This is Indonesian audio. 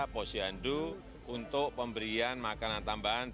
posyandu untuk pemberian makanan tambahan